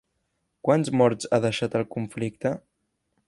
Quants morts ha deixat el conflicte?